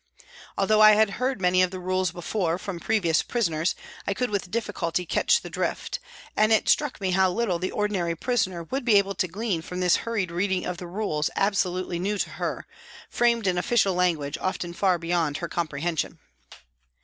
Although I had heard of many of the rules before from previous prisoners, I could with difficulty catch the drift, and it struck me how little the ordinary prisoner would be able to glean from this hurried reading of rules absolutely new to her, framed in official language often far beyond her compre hension.